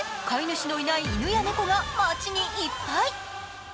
飼い主のいない犬や猫が街にいっぱい。